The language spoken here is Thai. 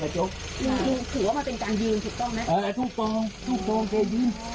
เจ้าเพราะโตงสุดท้องเพียง